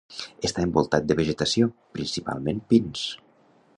Està envoltat de vegetació, principalment pins.